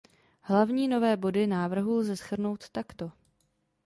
Hlavní nové body návrhu lze shrnout takto.